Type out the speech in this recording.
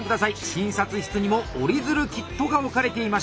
診察室にも折り鶴キットが置かれていまして